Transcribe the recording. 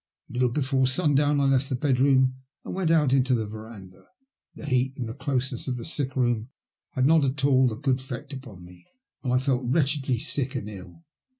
A little before sundown I left the bedroom and went out into the verandah. The heat and the closeness of the sick room had not had a good effect upon me, and I felt wretchedly sick and ill.